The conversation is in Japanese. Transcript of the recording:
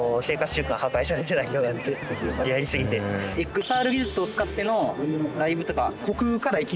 ＸＲ技術を使ってのライブとか。